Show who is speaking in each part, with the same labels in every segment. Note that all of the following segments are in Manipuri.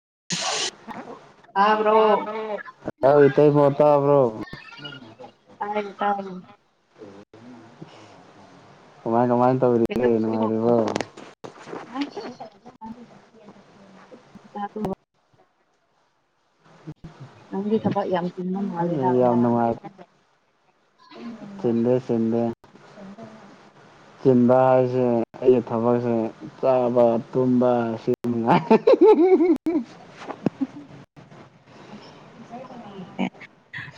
Speaker 1: [unintelligible]
Speaker 2: ꯑꯧ ꯏꯇꯩꯃ ꯇꯥꯕ꯭ꯔꯣ
Speaker 1: ꯇꯥꯏ ꯇꯥꯏ
Speaker 2: ꯀꯃꯥꯏ ꯀꯃꯥꯏ ꯇꯧꯔꯤꯒꯦ ꯅꯨꯡꯉꯥꯏꯔꯤꯕꯣ
Speaker 1: [unintelligible] [unintelligible] ꯅꯪꯒꯤ ꯊꯕꯛ ꯌꯥꯝ
Speaker 2: ꯌꯥꯝ ꯅꯨꯡꯉꯥꯏ ꯆꯤꯟꯗꯦ ꯆꯤꯟꯗꯦ
Speaker 1: [inaudible]
Speaker 2: ꯆꯤꯟꯕ ꯍꯥꯏꯁꯦ ꯑꯩꯒꯤ ꯊꯕꯛꯁꯦ ꯆꯥꯕ ꯇꯨꯝꯕ ꯑꯁꯤ [unintelligible]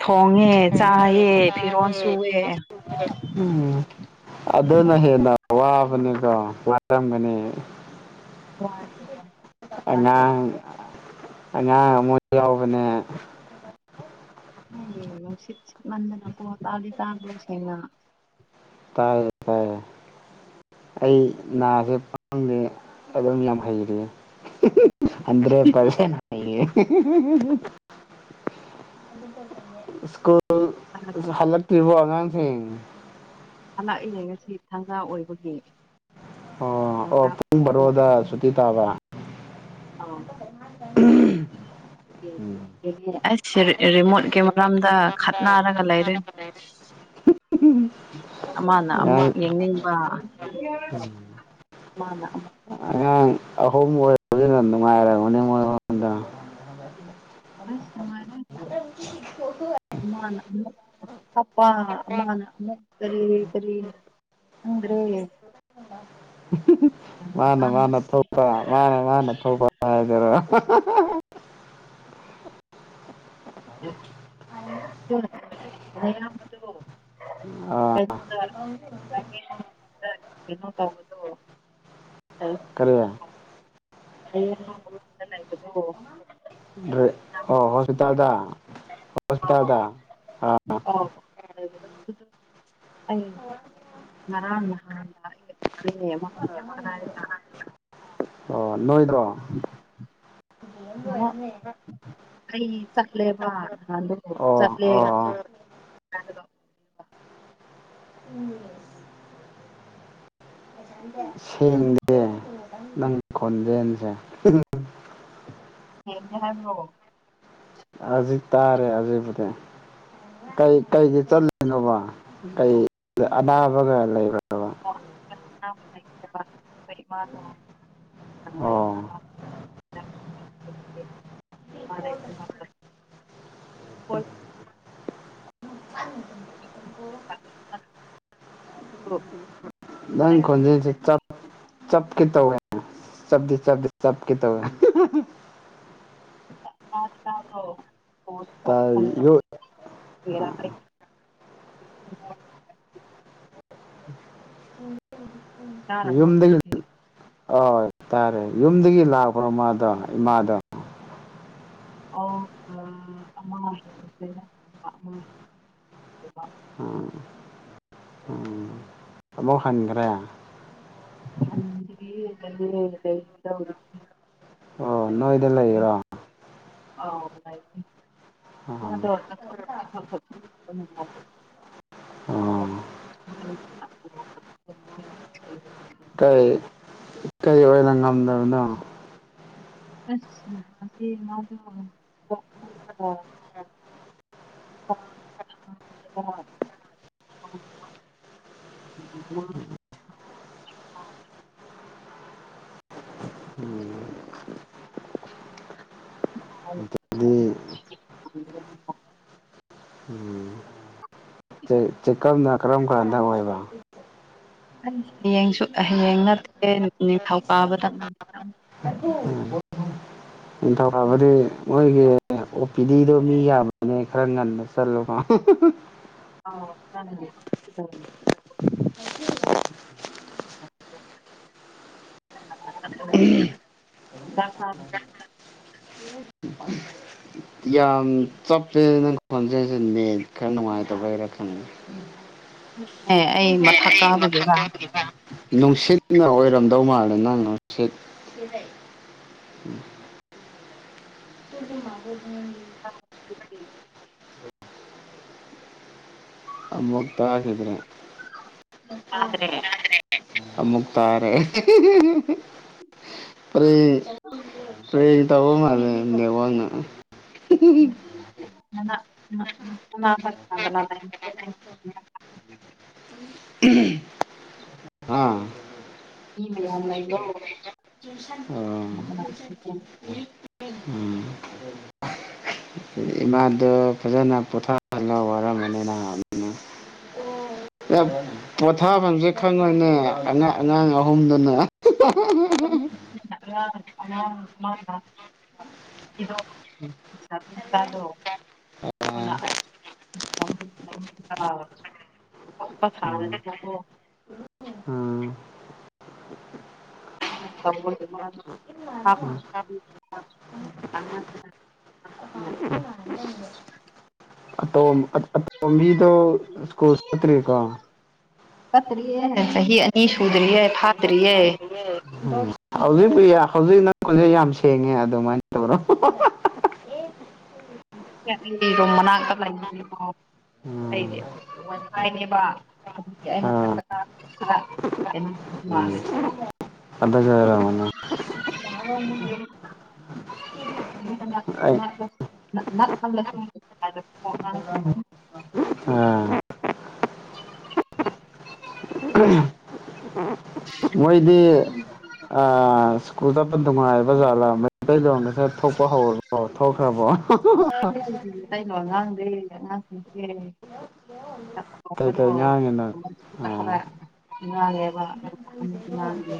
Speaker 1: ꯊꯣꯡꯉꯦ ꯆꯥꯏꯌꯦ ꯐꯤꯔꯣꯜꯁꯨ ꯇꯨꯑꯦ
Speaker 2: ꯎꯝ ꯑꯗꯨꯅ ꯍꯦꯟꯅ ꯋꯥꯕꯅꯤꯀꯣ ꯋꯥꯔꯝꯒꯅꯤ ꯑꯅꯥꯡ ꯑꯣꯏ ꯌꯥ ꯃꯅꯦ
Speaker 1: [unintelligible]
Speaker 2: ꯐꯔ ꯐꯔꯦ ꯑꯩ ꯁꯦ ꯄꯗꯦ ꯑꯗꯨꯝ ꯌꯥꯝ ꯍꯩꯔ ꯑꯗ꯭ꯔꯦ ꯄꯁꯦꯅꯦ ꯁꯀꯣ ꯍꯜꯂꯛꯇ꯭ꯔꯤꯕ ꯑꯉꯥꯡꯁꯤꯡ
Speaker 1: ꯍꯂꯛꯏꯌꯦ ꯉꯁꯤ ꯊꯥꯟꯖꯥ ꯑꯣꯏꯕꯒꯤ
Speaker 2: ꯑꯣ ꯑꯣ ꯐꯨꯡꯕꯔꯗ ꯁꯨꯇ ꯇꯕ
Speaker 1: ꯑ
Speaker 2: ꯎꯝ
Speaker 1: ꯑꯩꯁ ꯔꯤꯃꯣꯠꯀꯤ ꯃꯔꯝꯗ ꯈꯠꯅꯔꯒ ꯂꯩꯔꯦ ꯑꯃꯅ ꯑꯃꯣ
Speaker 2: ꯑꯉꯥꯡ
Speaker 1: ꯌꯦꯉꯕ ꯃ
Speaker 2: ꯑꯍꯣꯝ ꯑꯣꯏ
Speaker 1: ꯑꯁ ꯇꯔꯦ ꯃꯥꯅ ꯑꯄꯥ ꯃꯥꯅ ꯀꯔꯤ ꯀꯔꯤ ꯎ꯭ꯔꯦꯦ
Speaker 2: ꯃꯥꯅ ꯃꯥꯅ ꯊꯧꯕ ꯃꯥꯅꯦ ꯃꯥꯅ ꯊꯧꯕ ꯍꯥꯏꯗꯔ ꯑ ꯑ
Speaker 1: ꯑꯌꯥꯝ ꯃꯗꯨ
Speaker 2: ꯑꯥ
Speaker 1: ꯀꯩꯅꯣꯗ ꯌꯦꯅꯣ ꯇꯧꯕꯗꯣ
Speaker 2: ꯀꯔꯦ
Speaker 1: ꯑꯩ ꯃꯐꯝꯗ ꯂꯩꯕꯗꯣ
Speaker 2: ꯑꯣ ꯍꯣꯁꯄꯤꯇꯥꯜꯗ ꯍꯣꯁꯄꯤꯇꯥꯜꯗ ꯑꯥ
Speaker 1: ꯑ ꯂ
Speaker 2: ꯅꯣꯏꯗ꯭ꯔꯣ ꯏꯗꯤꯝ ꯑꯣꯏꯅꯅ
Speaker 1: ꯑꯩ ꯆꯠꯂꯦꯕ ꯅꯗꯣ
Speaker 2: ꯑꯣ
Speaker 1: ꯆꯠꯂꯦꯕ
Speaker 2: ꯑꯣ
Speaker 1: ꯀ
Speaker 2: ꯁꯦꯡꯗꯦ ꯅꯪ ꯈꯣꯟꯖꯦꯅꯁꯦ
Speaker 1: ꯍ ꯌꯥꯍꯥꯟ
Speaker 2: ꯑꯁꯤꯖꯤꯛ ꯇꯥꯔꯦ ꯑꯁꯤꯖꯤꯕꯨꯗꯤ ꯀꯩ ꯀꯩꯒꯤ ꯆꯠꯂꯤꯨꯅꯣꯕ ꯀ ꯑꯅꯥꯕꯒ ꯂꯩꯕ꯭ꯔꯥ [inaudible] [inaudible]
Speaker 1: ꯑꯅꯥꯕ ꯂꯩꯌꯦꯕ ꯑꯩꯈꯣꯏ ꯏꯃꯥꯗꯣ
Speaker 2: ꯑꯣ
Speaker 1: ꯉꯥꯏꯕ ꯑ ꯍꯔꯄ ꯍ
Speaker 2: ꯅꯪ ꯈꯣꯟꯖꯦꯜꯁꯦ ꯆꯞ ꯆꯞ ꯁ ꯀꯇꯒ ꯆꯗꯤ ꯆ ꯁ ꯀꯇꯒ
Speaker 1: ꯇꯗꯤ ꯇꯕ꯭ꯔꯣ
Speaker 2: ꯇ ꯌ
Speaker 1: [inaudible]
Speaker 2: [inaudible]
Speaker 1: ꯇꯔ ꯃ ꯍꯧꯁꯤꯦ
Speaker 2: ꯍꯣꯏ ꯇꯔꯦ ꯌꯨꯝꯗꯒꯤ ꯂꯥꯛꯄ꯭ꯔꯣ ꯃꯥꯗꯣ ꯏꯃꯥꯗꯣ
Speaker 1: ꯑꯣ ꯑꯃꯦ
Speaker 2: ꯑꯕꯣ ꯍꯥꯏꯪꯒ꯭ꯔꯦ
Speaker 1: ꯂꯩꯗ ꯍꯧ
Speaker 2: ꯑꯣ ꯅꯣꯏꯗ ꯂꯩꯔꯣ
Speaker 1: ꯑ
Speaker 2: ꯑꯣ
Speaker 1: ꯃꯥꯗ [unintelligible]
Speaker 2: ꯑꯣ
Speaker 1: [unintelligible]
Speaker 2: ꯀꯩ ꯀꯩ ꯑꯣꯏꯔ ꯉꯝꯗꯕꯅꯣ
Speaker 1: ꯑꯗꯤ ꯃꯥꯗ [unintelligible] [unintelligible]
Speaker 2: ꯎꯝ ꯍꯥꯏꯗꯤ
Speaker 1: [unintelligible]
Speaker 2: ꯆꯦ ꯆꯦꯀꯞꯅ ꯀꯔꯝ ꯀꯔꯥꯟꯗ ꯑꯣꯏꯕ
Speaker 1: ꯑꯩ ꯍꯌꯦꯡꯁꯨ ꯍꯌꯦꯡ ꯅꯠꯇꯦ ꯅꯤꯡꯊꯧꯀꯥꯕꯗ
Speaker 2: ꯅꯤꯡꯊꯧꯀꯥꯕꯗꯤ ꯃꯣꯏꯒꯤ ꯑꯦ ꯑꯣ ꯄꯤ ꯗꯤꯗꯣ ꯃꯤ ꯌꯥꯝꯕꯅꯦ ꯈꯔ ꯉꯟꯅ ꯆꯠꯂꯨ
Speaker 1: [unintelligible] [inaudible]
Speaker 2: ꯎꯝ
Speaker 1: [unintelligible]
Speaker 2: ꯌꯥꯝ ꯆꯞꯁꯦ ꯅꯪ ꯈꯦꯟꯖꯦꯟꯁꯤ ꯅꯦꯠ ꯈꯔ ꯅꯨꯡꯉꯥꯏꯇꯥꯕꯩꯔ ꯈꯪꯗꯦ
Speaker 1: ꯑꯦ ꯑꯩ
Speaker 2: ꯑꯦ
Speaker 1: ꯃꯊꯛ
Speaker 2: ꯑꯩ ꯃꯇꯛ
Speaker 1: ꯀꯥꯕꯒꯤꯔ
Speaker 2: [unintelligible] ꯅꯨꯡꯁꯤꯠꯅ ꯑꯣꯏꯔꯝ ꯗꯧ ꯃꯥꯜꯂꯦ ꯅꯪꯅ [unintelligible] [unintelligible]
Speaker 1: [unintelligible]
Speaker 2: ꯑꯃꯨꯛ ꯇꯥꯈꯤꯗ꯭ꯔꯦ
Speaker 1: ꯇꯥꯗꯥꯗ꯭ꯔꯦ
Speaker 2: ꯑꯃꯨꯛ ꯇꯥꯔꯦ ꯄ꯭ꯔꯦꯡ ꯄ꯭ꯔꯦꯡ ꯇꯧꯕ ꯃꯥꯂꯦ ꯅꯦꯋꯥꯛꯅ
Speaker 1: [unintelligible] [unintelligible]
Speaker 2: ꯎꯝ ꯍꯥ
Speaker 1: ꯃꯤ ꯃꯌꯥꯝ ꯂꯩꯥꯗꯣ
Speaker 2: ꯑꯣ ꯎꯝ ꯏꯃꯥꯗ ꯐꯖ ꯄꯣꯊꯥꯍꯜꯂꯣ ꯋꯥꯔꯝꯃꯅꯤ ꯅꯥꯃꯤꯅ [unintelligible] ꯄꯣꯊꯥꯐꯝꯁꯦ ꯈꯪꯉꯣꯏꯅꯦ ꯑꯉꯥꯡ ꯑꯉꯥꯡ ꯑꯍꯨꯝꯗꯨꯅ
Speaker 1: [unintelligible] [unintelligible] [unintelligible] [unintelligible]
Speaker 2: ꯎꯝ
Speaker 1: [unintelligible]
Speaker 2: [unintelligible]
Speaker 1: [inaudible]
Speaker 2: ꯑꯇꯣ ꯑꯇꯣꯝꯕꯤꯗꯣ ꯁꯀꯨꯜ ꯆꯠꯇ꯭ꯔꯤꯀꯣ
Speaker 1: ꯆꯠꯇ꯭ꯔꯤꯌꯦ ꯆꯍꯤ ꯑꯅꯤ ꯁꯨꯗꯔꯤꯌꯦ ꯐꯥꯗꯔꯤꯌꯦ
Speaker 2: ꯎ ꯍꯧꯖꯤꯛꯄꯨ ꯍꯧꯖꯤꯛ ꯅꯪꯁꯦ ꯌꯥꯝ ꯁꯦꯡꯉꯦ ꯑꯗꯨꯃꯥꯏꯅ ꯇꯧꯔꯣ
Speaker 1: ꯍꯧꯖꯤꯛꯁꯦ ꯑꯩꯔꯣꯝ ꯃꯅꯥꯛꯇ ꯂꯩꯕꯒꯤꯀꯣ
Speaker 2: ꯎꯝ
Speaker 1: ꯋꯥꯏ ꯐꯥꯏ ꯅꯦꯕ ꯑꯗꯨꯒꯤ ꯑꯩ
Speaker 2: ꯑꯥ
Speaker 1: ꯃꯊꯛꯇ [unintelligible]
Speaker 2: ꯇꯅ
Speaker 1: [unintelligible]
Speaker 2: ꯑꯥ ꯃꯣꯏꯗꯤ ꯁ꯭ꯀꯨꯜ ꯆꯠꯄ ꯅꯨꯡꯉꯥꯏꯕ ꯖꯥꯠꯂꯥ ꯃꯩꯇꯩꯂꯣꯟꯗꯤ ꯈꯔ ꯊꯣꯛꯄ ꯍꯧꯔꯕꯣ ꯊꯣꯛꯈ꯭ꯔꯕꯣ
Speaker 1: ꯃꯩꯇꯩꯂꯣꯟ ꯉꯥꯡꯗꯦ ꯑꯉꯥꯡꯁꯤꯡꯁꯦ
Speaker 2: ꯀꯩꯀꯩ ꯉꯥꯡꯉꯤꯅꯣ
Speaker 1: [unintelligible]
Speaker 2: ꯑꯥ
Speaker 1: ꯈꯔ ꯉꯥꯡꯉꯦꯕ ꯑꯗꯨ ꯑꯍꯟ ꯉꯥꯡꯗꯦ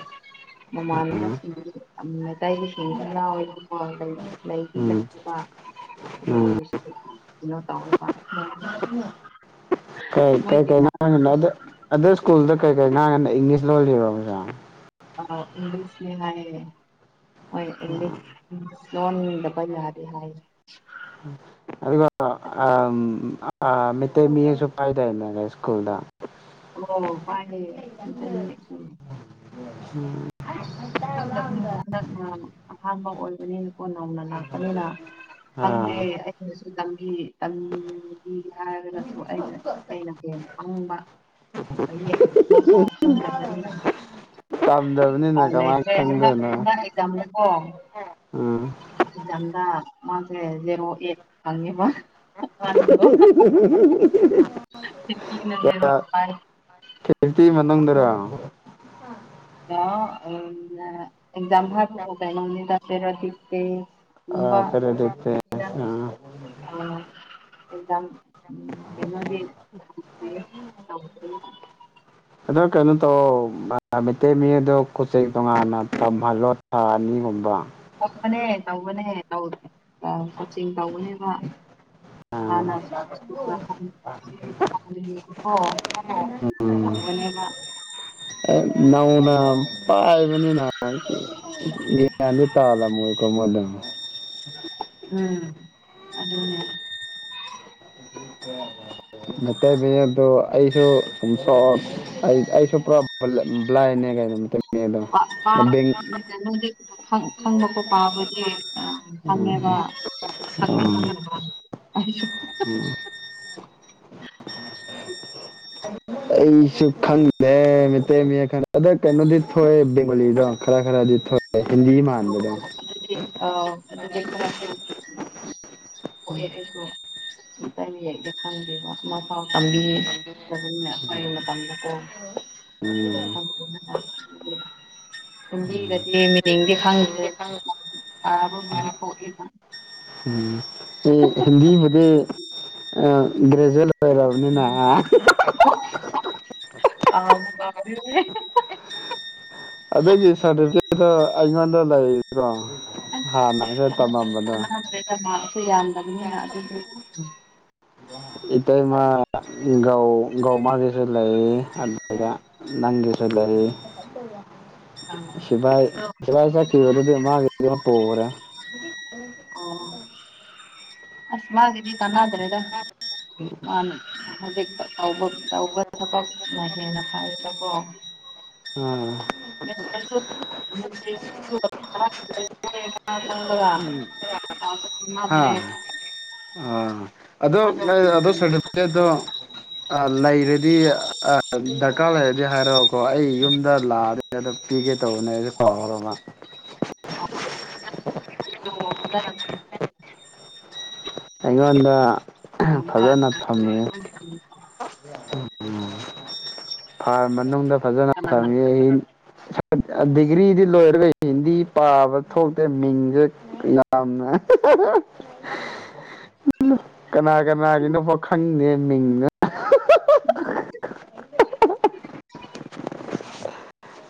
Speaker 2: ꯎꯝ
Speaker 1: ꯃꯃꯥꯟꯅꯕꯁꯤꯡ ꯃꯇꯩꯒꯤ ꯌꯥꯎꯑꯦꯕꯀꯣ ꯂꯩꯒꯤ ꯂꯩꯇ꯭ꯔꯤꯕ ꯑꯗꯨ
Speaker 2: ꯎꯝ
Speaker 1: ꯑꯣꯏꯔꯁꯨ ꯀꯩꯅꯣ ꯇꯧꯋꯦꯕ
Speaker 2: ꯀꯩ ꯀꯩꯥ ꯉꯥꯡꯏꯅꯣ ꯑꯗꯨ ꯁ꯭ꯀꯨꯜꯗ ꯀꯩ ꯀꯩ ꯉꯥꯡꯏꯅꯣ ꯏꯪꯂꯤꯁ ꯂꯣꯂꯤꯔꯣ
Speaker 1: ꯑ ꯏꯪꯂꯤꯁꯅꯦ ꯍꯥꯏꯌꯦ ꯍꯣꯏ ꯏꯪꯂꯤꯁ ꯂꯣꯟꯗꯕ ꯌꯥꯗꯦ ꯍꯥꯏꯔꯦ
Speaker 2: ꯑ ꯃꯤꯇꯩ ꯃꯌꯦꯛꯁꯨ ꯄꯥꯏꯗꯥꯏꯅꯦ ꯌꯥꯏꯀꯨꯜꯗ
Speaker 1: ꯑꯣ ꯄꯥꯏꯌꯦ ꯑꯁ ꯈꯪꯗꯕꯅꯤꯅ ꯍꯟꯗꯛ ꯑꯍꯝꯕ ꯑꯣꯏꯕꯅꯦ ꯀꯣ ꯅꯧꯅ ꯂꯥꯛꯄꯅꯤꯅ ꯈꯪꯗꯦ
Speaker 2: ꯑꯥ
Speaker 1: ꯑꯩꯅꯁꯨ ꯂꯝꯕꯤ ꯇꯝꯕꯤꯒꯦ ꯍꯥꯏꯔꯒꯁꯨ ꯑꯩꯅ ꯑꯩꯅ ꯍꯦꯟꯅ ꯄꯪꯕ ꯃꯌꯦꯛ ꯈꯪꯗꯕꯅꯤꯅ
Speaker 2: ꯇꯝꯗꯕꯅꯤꯅ
Speaker 1: ꯎꯄꯥꯏ
Speaker 2: ꯀꯃꯥꯏꯅ
Speaker 1: ꯂꯩꯇ꯭ꯔꯦ ꯍꯟꯗꯛ
Speaker 2: ꯈꯪꯗꯣꯏꯅꯣ
Speaker 1: ꯍꯟꯗꯛ ꯑꯦꯛꯖꯥꯝꯗꯀꯣ
Speaker 2: ꯎꯝ
Speaker 1: ꯑꯦꯛꯖꯥꯝꯗ ꯃꯥꯛꯁꯦ ꯖꯦꯔꯣ ꯑꯦꯠ ꯐꯪꯉꯦꯕ
Speaker 2: [unintelligible] ꯀꯦꯔꯇꯤ ꯃꯅꯨꯡꯗꯔꯣ
Speaker 1: ꯑ ꯑꯦꯛꯖꯥꯝ ꯍꯥꯏꯕꯨ ꯀꯩꯅꯣꯅꯤꯗ ꯄꯦꯔꯣꯗꯤꯁ ꯇꯦꯏꯁ
Speaker 2: ꯑ ꯄꯦꯔꯣꯗꯤꯁ ꯇꯦꯏꯁ ꯑ
Speaker 1: ꯑ ꯑꯦꯛꯖꯥꯝ ꯀꯩꯅꯣꯗꯤ ꯇꯧꯗ꯭ꯔꯤ
Speaker 2: ꯑꯗꯣ ꯀꯩꯅꯣ ꯇꯧ ꯃꯩꯇꯩ ꯃꯌꯦꯛꯇꯣ ꯀꯣꯆꯤꯡ ꯇꯣꯉꯥꯟꯅ ꯇꯝꯍꯜꯂꯣ ꯊꯥ ꯑꯅꯤꯒꯨꯝꯕ
Speaker 1: ꯇꯧꯕꯅꯦ ꯇꯧꯕꯅꯦ ꯇꯧ ꯀꯣꯆꯤꯡ ꯇꯧꯕꯅꯦꯕ [unintelligible] ꯇꯧꯕꯅꯦꯕ
Speaker 2: ꯑꯦ ꯅꯧꯅ ꯄꯥꯏ ꯕꯅꯤꯅ ꯒ꯭ꯌꯥꯟꯗꯤ ꯇꯥꯔꯝꯃꯣꯏꯀꯣ ꯃꯣꯏꯗꯣ
Speaker 1: ꯎꯝ ꯑꯗꯨꯅꯤ
Speaker 2: ꯃꯩꯇꯩ ꯃꯌꯦꯛꯇꯨ ꯑꯩꯁꯨ ꯑꯩ ꯑꯩꯁꯨ ꯄꯨꯔꯥ ꯕ꯭ꯂꯥꯏꯅꯦ ꯀꯩꯅꯣꯝꯇ
Speaker 1: ꯄꯥ ꯄꯥ ꯈꯪꯕꯀꯣ ꯄꯥꯕꯗꯤ ꯈꯪꯉꯦꯕ [unintelligible]
Speaker 2: ꯎꯝ
Speaker 1: [unintelligible]
Speaker 2: ꯑꯩꯁꯨ ꯈꯪꯗ꯭ꯔꯦ ꯃꯩꯇꯩ ꯃꯌꯦꯛ ꯑꯗꯣ ꯀꯩꯅꯣꯗꯤ ꯊꯣꯛꯑꯦ ꯕꯦꯡꯃꯣꯂꯤꯗꯣ ꯈꯔ ꯈꯔꯗꯤ ꯊꯣꯛꯑꯦ ꯍꯤꯟꯗꯤ ꯃꯥꯟꯕꯗꯣ
Speaker 1: ꯑ ꯑꯗꯨꯗꯤ ꯈꯔ ꯈꯔ ꯊꯣꯛꯑꯦ ꯑꯩꯁꯨ ꯌꯦꯡꯕꯗ ꯈꯪꯗꯦꯕ ꯃ ꯄꯥꯎ ꯇꯝꯕꯤ ꯑꯩꯈꯣꯏꯒꯤ ꯃꯇꯝꯗꯀꯣ
Speaker 2: ꯎꯝ
Speaker 1: ꯍꯤꯟꯗꯤꯗꯗꯤ ꯃꯤꯡꯗꯤ ꯈꯪꯗ꯭ꯔꯦ ꯄꯥꯕꯕꯨꯗꯤ ꯊꯣꯛꯑꯦꯕ
Speaker 2: ꯍꯤꯟꯗꯤ ꯕꯨꯗꯤ ꯑ ꯒ꯭ꯔꯦ
Speaker 1: ꯀꯥꯎꯕꯨ ꯀꯥꯎꯏꯍꯦ
Speaker 2: ꯑꯗꯒꯤ ꯁꯥꯗꯤꯐꯤꯀꯦꯠ ꯑꯩꯉꯣꯟꯗ ꯂꯩꯕ꯭ꯔꯣ ꯍꯥꯟꯅ ꯑꯩꯈꯣꯏ ꯇꯝꯃꯝꯕꯗꯣ
Speaker 1: [unintelligible] ꯁꯨ ꯌꯥꯝꯗꯕꯅꯤꯅ ꯑꯗꯨꯗꯤ
Speaker 2: ꯏꯇꯩꯃꯥ ꯒꯧꯃꯥꯒꯤꯁꯨ ꯂꯩ ꯗ ꯆꯠꯂꯔꯤ ꯁꯤꯚꯥꯏ ꯁꯤꯚꯥꯏ ꯆꯠꯈꯤꯕꯗꯨꯗꯤ ꯃꯥꯒꯤꯗꫭ ꯄꯤꯒ꯭ꯔꯦ꯫
Speaker 1: ꯑꯣ ꯑꯁ ꯃꯥꯒꯤꯗꯤ ꯀꯅꯥꯗ꯭ꯔꯦꯗ ꯃꯥꯅ꯫ ꯍꯧꯖꯤꯛꯇ ꯇꯧꯕ ꯇꯧꯕ ꯊꯕꯛꯅ ꯍꯦꯟꯅ ꯐꯌꯦꯕꯀꯣ꯫
Speaker 2: ꯎꯝ
Speaker 1: [unintelligible]
Speaker 2: ꯍꯥ
Speaker 1: [unintelligible]
Speaker 2: ꯑꯥ ꯑꯗꯣ ꯅꯪꯒꯤꯗꫭ ꯑꯗꫭ ꯁꯔꯇꯤꯐꯤꯀꯦꯠꯗꫭ ꯑ ꯂꯩꯔꯗꯤ ꯑ ꯗꯔꯀꯥꯔ ꯂꯩꯔꯗꯤ ꯍꯥꯏꯔꯛꯑꫭꯀꯣ ꯑꯩ ꯌꯨꯝꯗ ꯂꯥꯛꯑꯗꯤ ꯑꯗꯨꯝ ꯄꯤꯒꯦ ꯇꯧꯕꯅꯦ ꯑꯩꯁꯨ ꯀꯥꯎꯔꯕ꯫
Speaker 1: [unintelligible] [inaudible]
Speaker 2: ꯑꯩꯉꯣꯟꯗ ꯐꯖꯅ ꯊꯝꯃꯤ
Speaker 1: [unintelligible] [inaudible]
Speaker 2: ꯐꯥꯔꯝ ꯃꯅꯨꯡꯗ ꯐꯖꯅ ꯊꯝꯃꯤ [inaudible] ꯒ꯭ꯔꯤꯗꯤ ꯂꯣꯏꯔꯒ ꯍꯤꯟꯗꯤ ꯄꯥꯕ ꯊꯣꯛꯇꯦ ꯃꯤꯡꯁꯦ ꯌꯥꯝꯅ
Speaker 1: [inaudible]
Speaker 2: ꯃꯤꯡꯅ [unintelligible]
Speaker 1: [unintelligible] [inaudible]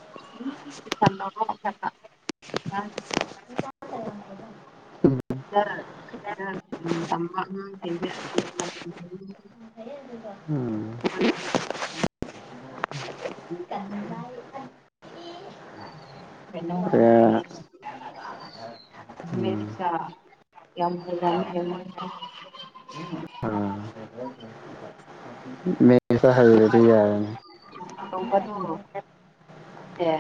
Speaker 1: [unintelligible] [inaudible] [unintelligible] [inaudible] [unintelligible] [inaudible]
Speaker 2: [unintelligible]
Speaker 1: ꯀꯩꯅꫭꯒ ꯃꯦꯊꯁ ꯍꯃꯦꯁꯥ ꯌꯥꯝ [inaudible]
Speaker 2: ꯑ ꯃꯦꯁꯇ ꯍꯩꯔꯗꯤ ꯌꯥꯔꯦꯅꯦ꯫
Speaker 1: ꯑꯦ꯫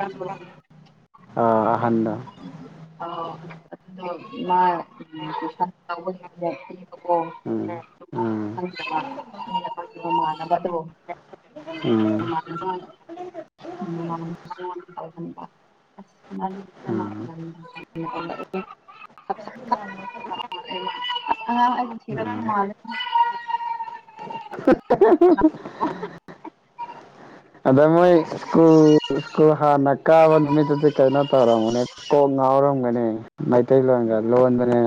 Speaker 1: [inaudible]
Speaker 2: ꯑ ꯑꯍꯥꯟꯕ
Speaker 1: [unintelligible] [inaudible] ꯑꯗꯣ ꯃꯥ꯫ [inaudible] [inaudible]
Speaker 2: ꯎꯝ ꯎꯝ
Speaker 1: [unintelligible] [unintelligible] [inaudible] [unintelligible] [inaudible]
Speaker 2: ꯎꯝ ꯎꯝ
Speaker 1: [unintelligible] [inaudible] [unintelligible]
Speaker 2: ꯎꯝ
Speaker 1: [inaudible]
Speaker 2: [unintelligible] [inaudible]
Speaker 1: [unintelligible] [inaudible]
Speaker 2: ꯑꯗ ꯃꯣꯏ ꯁ꯭ꯀꯨꯜ ꯁ꯭ꯀꯨꯜ ꯍꯥꯟꯅ ꯀꯥꯕ ꯅꯨꯃꯤꯠꯇꯨꯗꯤ ꯀꯩꯅꯣ ꯇꯧꯔꯝꯒꯅꯤ ꯀꯣꯛ ꯉꯥꯎꯔ ꯔꯝꯒꯅꯤ ꯃꯩꯇꯩꯂꯣꯟꯣꯒ ꯂꯣꯟꯕꯅꯦ꯫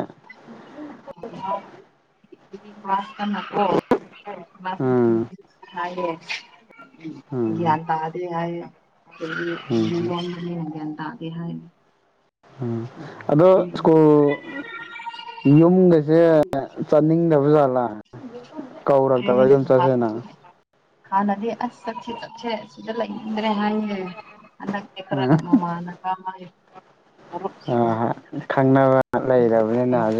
Speaker 1: ꯀ꯭ꯂꯥꯁꯇ ꯅꯀꯣ [inaudible] ꯍꯤꯟ
Speaker 2: ꯎꯝ
Speaker 1: ꯍꯥꯏꯌꯦ꯫
Speaker 2: ꯎꯝ
Speaker 1: ꯒ꯭ꯌꯥꯟ ꯇꯥꯗꯦ ꯍꯥꯏꯌꯦ
Speaker 2: ꯎꯝ
Speaker 1: [inaudible] ꯒ꯭ꯌꯥꯟ ꯇꯥꯗꯦ ꯍꯥꯏ꯫
Speaker 2: ꯎꯝ ꯑꯗꯣ ꯁ꯭ꯀꯨꯜ ꯌꯨꯝꯒꯁꯦ ꯆꯠꯅꯤꯡꯗꯕꯖꯥꯠꯂꯦ꯫ ꯂꯥ ꯀꯧꯔꯛꯇꯕ ꯌꯨꯝ ꯆꯠꯁꯦꯅ꯫
Speaker 1: ꯍꯥꯅꯗꯤ ꯑꯁ ꯆꯠꯁꯦ-ꯆꯠꯁ ꯑꯁꯤꯗ ꯂꯩꯅꯤꯡꯗ꯭ꯔꯦ ꯍꯥꯏꯥꯌꯦ꯫ ꯍꯟꯗꯛꯅ ꯈꯔ
Speaker 2: ꯎꯝ
Speaker 1: ꯃꯃꯥꯅꯕ ꯑꯃꯒꯤ
Speaker 2: ꯑ ꯈꯪꯅꯕ ꯂꯩꯔꯕꯅꯤꯅ ꯍꯧꯖꯤꯛ